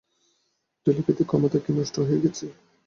Telepathic ক্ষমতা কি নষ্ট হয়ে গেছে?